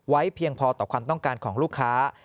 เพียงพอต่อความต้องการของลูกค้า